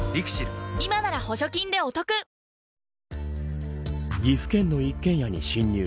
今なら補助金でお得岐阜県の一軒家に侵入。